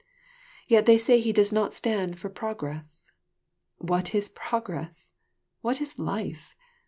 Yet they say he does not stand for progress. What is progress? What is life?